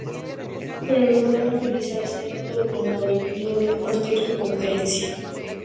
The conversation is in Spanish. Pero logró movilizarse en otro automóvil y logró impartir su conferencia.